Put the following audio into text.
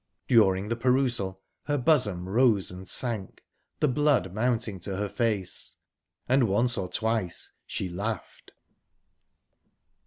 During the perusal her bosom rose and sank the blood mounting to her face, and once or twice she laughed...